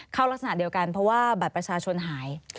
ลักษณะเดียวกันเพราะว่าบัตรประชาชนหาย